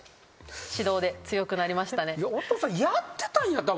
いやお父さんやってたんやったら分かるよ。